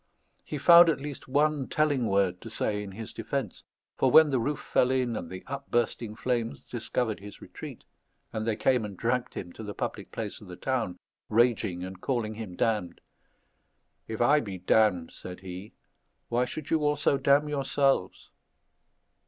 He found at least one telling word to say in his defence; for when the roof fell in and the upbursting flames discovered his retreat, and they came and dragged him to the public place of the town, raging and calling him damned "If I be damned," said he, "why should you also damn yourselves?"